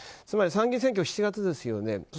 つまり参議院選挙７月ですよね。